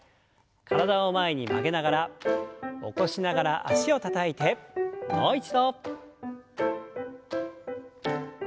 体を前に曲げながら起こしながら脚をたたいてもう一度。